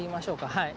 はい。